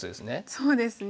そうですね。